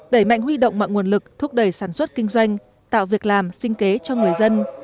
đẩy mạnh huy động mọi nguồn lực thúc đẩy sản xuất kinh doanh tạo việc làm sinh kế cho người dân